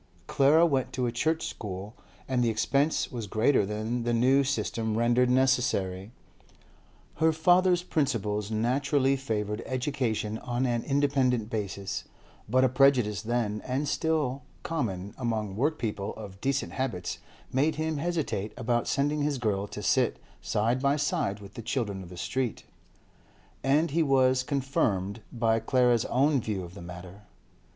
Clara went to a Church school, and the expense was greater than the new system rendered necessary. Her father's principles naturally favoured education on an independent basis, but a prejudice then (and still) common among workpeople of decent habits made him hesitate about sending his girl to sit side by side with the children of the street; and he was confirmed by Clara's own view of the matter.